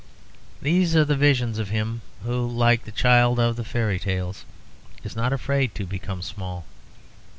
These are the visions of him who, like the child in the fairy tales, is not afraid to become small.